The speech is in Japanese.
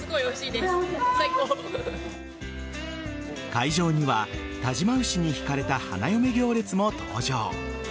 会場には但馬牛に引かれた花嫁行列も登場。